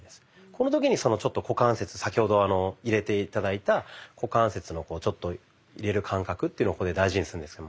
この時にちょっと股関節先ほど入れて頂いた股関節のちょっと入れる感覚というのを大事にするんですけども。